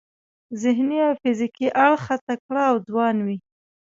ذهني او فزیکي اړخه تکړه او ځوان وي.